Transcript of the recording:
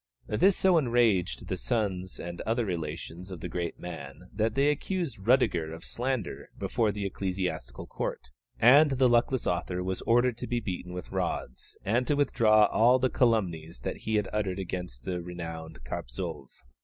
This so enraged the sons and other relations of the great man that they accused Rüdiger of slander before the ecclesiastical court, and the luckless author was ordered to be beaten with rods, and to withdraw all the calumnies he had uttered against the renowned Carpzov.